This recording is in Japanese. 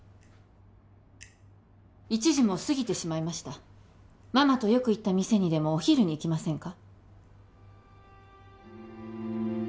１時も過ぎてしまいましたママとよく行った店にでもお昼に行きませんか？